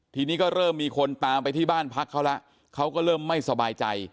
ทีนี้ก็เริ่มมีคนตามไปที่บ้านพักเขาแล้วเขาก็เริ่มไม่สบายใจ